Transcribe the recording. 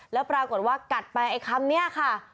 แล้วปรากฏว่ากัดไปไอ้คำนี้ค่ะ